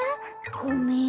ごめん。